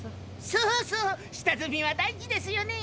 そうそう下積みは大事ですよね。